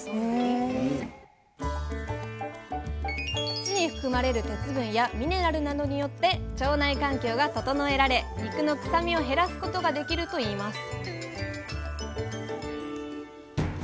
土に含まれる鉄分やミネラルなどによって腸内環境が整えられ肉の臭みを減らすことができるといいます